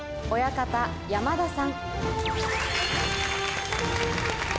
親方山田さん。